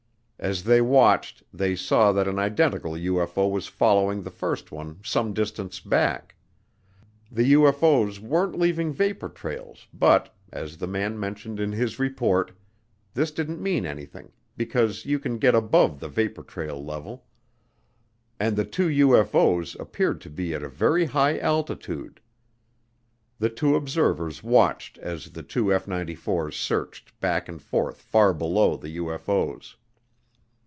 As they watched they saw that an identical UFO was following the first one some distance back. The UFO's weren't leaving vapor trails but, as the man mentioned in his report, this didn't mean anything because you can get above the vapor trail level. And the two UFO's appeared to be at a very high altitude. The two observers watched as the two F 94's searched back and forth far below the UFO's.